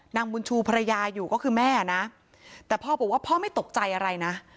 นางบุญชูภรรยาอยู่ก็คือแม่นะแต่พ่อบอกว่าพ่อไม่ตกใจอะไรนะ